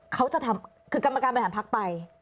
เขาจะทำคือกรรมการบริหารพักไป